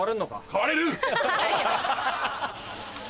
変われる！